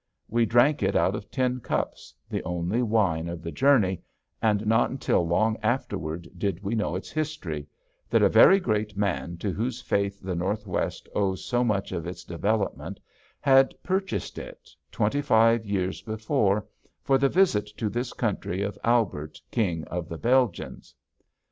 We drank it out of tin cups, the only wine of the journey, and not until long afterward did we know its history that a very great man to whose faith the Northwest owes so much of its development had purchased it, twenty five years before, for the visit to this country of Albert, King of the Belgians.